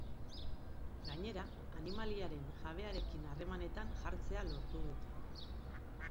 Gainera, animaliaren jabearekin harremanetan jartzea lortu dute.